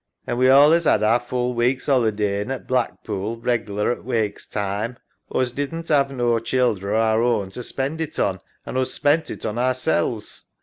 An' we allays 'ad our full week's 'ollydain' at Blackpool reglar at Wakes time. Us didn't 'ave no childer o' our own to spend it on, an' us spent it on ourselves.